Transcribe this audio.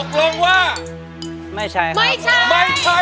บอกลงว่าไม่ใช่ครับไม่ใช่ไม่ใช่แหละ